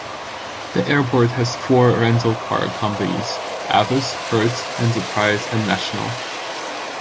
The airport has four rental car companies, Avis, Hertz, Enterprise, and National.